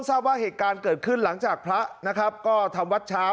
ทราบว่าเหตุการณ์เกิดขึ้นหลังจากพระนะครับก็ทำวัดเช้า